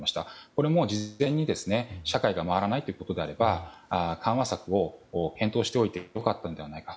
これも事前に社会が回らないということであれば緩和策を検討しておいてよかったのではないか。